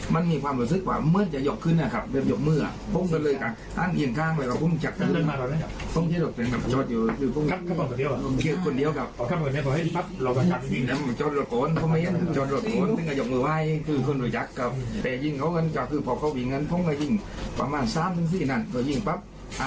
มันมีความรู้สึกว่าเมื่อจะยกขึ้นนะครับเดี๋ยวยกเมื่อพวกมันเลยกับข้างเคียงข้างเลยครับพวกมันจักรก่อนเนี่ยครับพวกมันจักรก่อนเนี่ยครับ